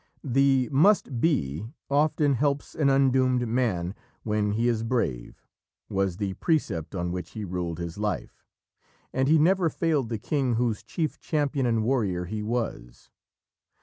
"The Must Be often helps an undoomed man when he is brave" was the precept on which he ruled his life, and he never failed the King whose chief champion and warrior he was.